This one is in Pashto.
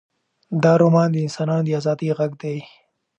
دا رومان د انسانانو د ازادۍ غږ دی.